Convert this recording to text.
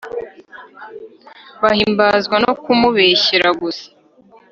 bahimbazwa no kumubeshyera gusa